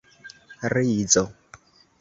rizo